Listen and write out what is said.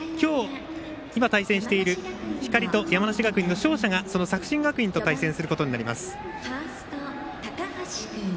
今、対戦している光と山梨学院の勝者が作新学院と対戦することになります。